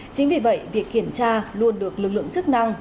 chính vì vậy việc kiểm tra luôn được lực lượng chức năng